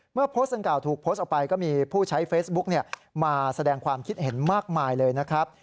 โพสต์ดังกล่าถูกโพสต์ออกไปก็มีผู้ใช้เฟซบุ๊กมาแสดงความคิดเห็นมากมายเลยนะครับ